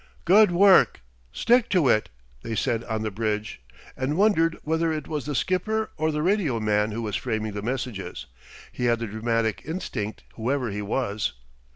"Good work. Stick to it," they said on the bridge, and wondered whether it was the skipper or the radio man who was framing the messages. He had the dramatic instinct, whoever he was.